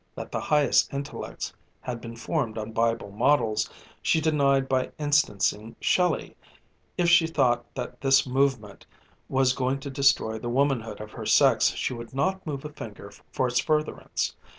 That the highest intellects had been formed on Bible models she denied by instancing Shelley. If she thought that this movement was going to destroy the womanhood of her sex she would not move a finger for its furtherance.